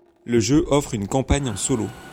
Le jeu offre une campagne en solo.